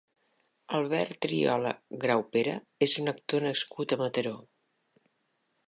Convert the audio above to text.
Albert Triola Graupera és un actor nascut a Mataró.